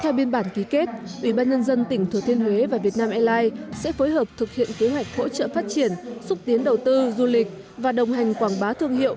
theo biên bản ký kết ubnd tỉnh thừa thiên huế và việt nam airlines sẽ phối hợp thực hiện kế hoạch hỗ trợ phát triển xúc tiến đầu tư du lịch và đồng hành quảng bá thương hiệu